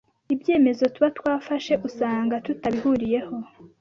ibyemezo tuba twafashe usanga tutabihuriyeho